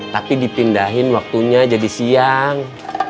tapi dipindahin waktunya jadi siang